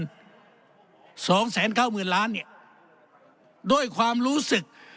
สองแสนเก้าหมื่นล้านเนี่ยด้วยความรู้สึก